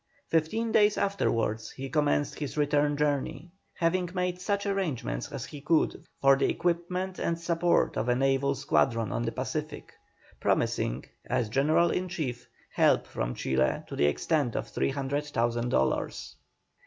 Fifteen days afterwards he commenced his return journey, having made such arrangements as he could for the equipment and support of a naval squadron on the Pacific, promising, as General in Chief, help from Chile to the extent of 300,000 dollars.